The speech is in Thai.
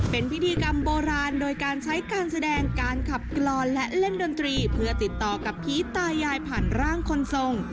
เป็นพิธีกรรมโบราณโดยการใช้การแสดงการขับกรอนและเล่นดนตรีเพื่อติดต่อกับผีตายายผ่านร่างคนทรง